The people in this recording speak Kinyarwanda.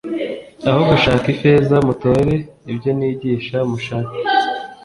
Aho gushaka ifeza mutore ibyo nigisha Mushake